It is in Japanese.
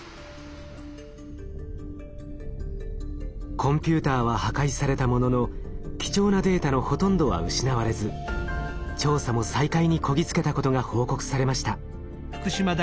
コンピューターは破壊されたものの貴重なデータのほとんどは失われず調査も再開にこぎ着けたことが報告されました。